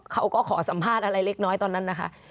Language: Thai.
เขาก็ขอสัมภาษณ์อะไรเล็กน้อยตอนนั้นนะคะ